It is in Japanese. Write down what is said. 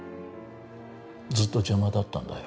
ずっと邪魔だったんだよ